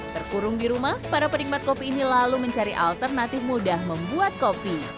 terkurung di rumah para penikmat kopi ini lalu mencari alternatif mudah membuat kopi